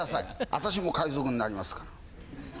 私も海賊になりますから。